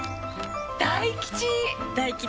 大吉！